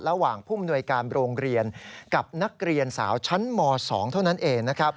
ระหว่างผู้มนวยการโรงเรียนกับนักเรียนสาวชั้นม๒เท่านั้นเองนะครับ